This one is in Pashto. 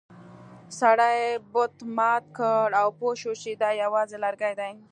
سړي بت مات کړ او پوه شو چې دا یوازې لرګی دی.